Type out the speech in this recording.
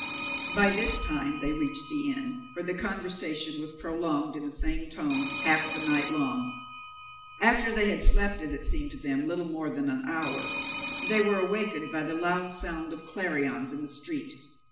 By this time they reached the inn, where the conversation was prolonged in the same tone, half the night long. After they had slept, as it seemed to them, little more than an hour, they were awakened by the loud sound of clarions in the street.